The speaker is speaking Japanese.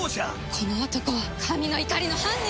この男は神の怒りの犯人！